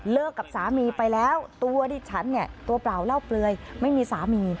กับสามีไปแล้วตัวดิฉันเนี่ยตัวเปล่าเล่าเปลือยไม่มีสามี